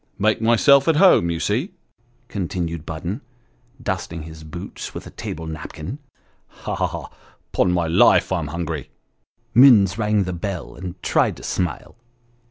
Make myself at home, you see !" continued Budden, dusting his boots with a table napkin. " Ha ! ha! ha ! 'pon my life, I'm hungry." Minns rang the bell, and tried to smile.